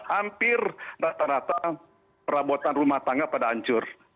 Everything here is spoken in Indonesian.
hampir rata rata perabotan rumah tangga pada hancur